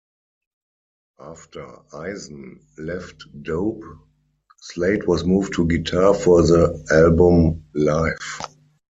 After Eisen left Dope, Slade was moved to guitar for the album "Life".